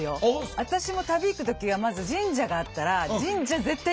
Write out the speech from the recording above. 私も旅行く時はまず神社があったら神社絶対行くんですよ。